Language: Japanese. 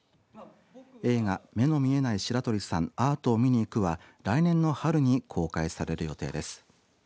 映画目の見えない白鳥さん、アートを見にいくは来年の春に公開される予定です。